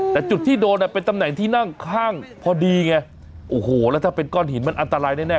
แต่จุดที่โดนอ่ะเป็นตำแหน่งที่นั่งข้างพอดีไงโอ้โหแล้วถ้าเป็นก้อนหินมันอันตรายแน่